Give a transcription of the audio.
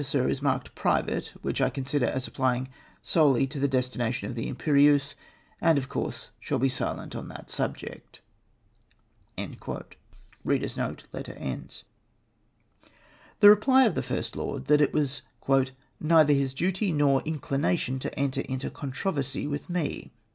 Sir, is marked ' private,' which 1 con sider as applying solely to the destination of the Imperieuse, and, of course, shall be silent on that subject." The reply of the First Lord was that it was " neither his duty nor his inclination to enter into controversy with me!''